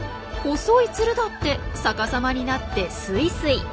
細いツルだって逆さまになってスイスイ。